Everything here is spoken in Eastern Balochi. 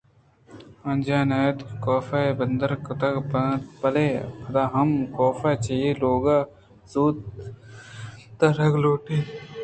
آجاہ نہ اَت کہ کاف بندرکُتگ ات بلئے پدا ہم کافءَ چہ اے لوگ ءَ زوت درآہگ لوٹ اِت